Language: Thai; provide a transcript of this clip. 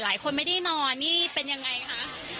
หลายคนไม่ได้นอนนี่เป็นยังไงคะ